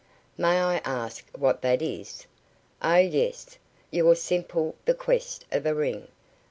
"May I ask what that is?" "Oh, yes. Your simple bequest of a ring.